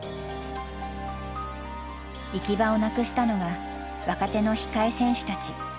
行き場をなくしたのが若手の控え選手たち。